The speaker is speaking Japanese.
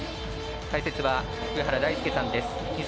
解説は、上原大祐さんです。